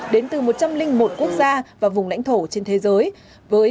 đến từ một trăm linh một quốc gia và vùng lãnh thổ trên thế giới